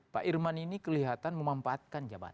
pak irman ini kelihatan memanfaatkan jabatan